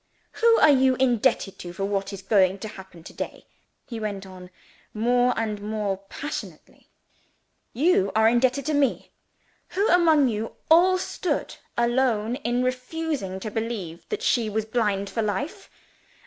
"Who are you indebted to for what is going to happen to day?" he went on, more and more passionately. "You are indebted to Me. Who among you all stood alone in refusing to believe that she was blind for life?